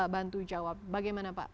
bantu jawab bagaimana pak